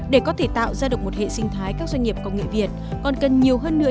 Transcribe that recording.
để có thể tạo ra được một hệ sinh thái các doanh nghiệp công nghệ việt còn cần nhiều hơn nữa